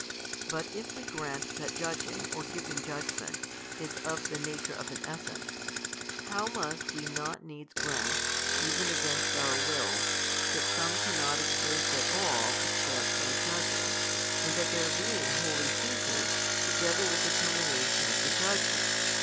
But if we grant that judging or giving judgment is of the nature of an essence, how must we not needs grant, even against our wills, that some cannot exist at all, except as judges, and that their being wholly ceases together with the termination of the judgment?